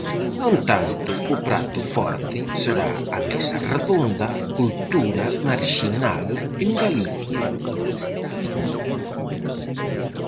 No entanto, o prato forte será a mesa redonda Cultura marxinal en Galicia.